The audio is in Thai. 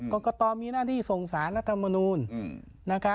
กรกตมีหน้าที่ส่งสารรัฐมนูล